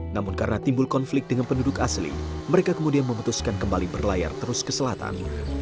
namun karena timbul konflik dengan penduduk asli mereka kemudian memutuskan kembali berlayar terus ke selatan